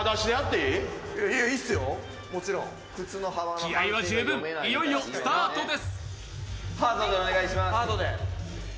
気合いは十分、いよいよスタートです。